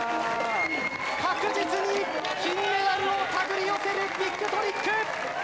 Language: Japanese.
確実に金メダルを手繰り寄せるビッグトリック！